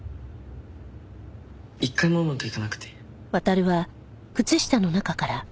一回もうまくいかなくて。